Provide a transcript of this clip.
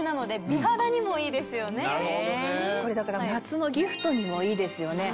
これ夏のギフトにもいいですよね。